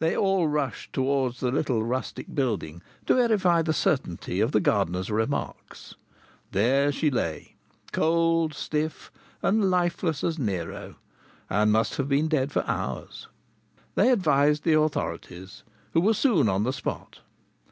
They all rushed towards the little rustic building to verify the certainty of the gardener's remarks. There she lay, cold, stiff, and lifeless as Nero, and must have been dead for hours. They advised the authorities, who were soon on the spot.